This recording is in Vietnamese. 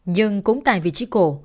nhưng cũng tại vị trí cổ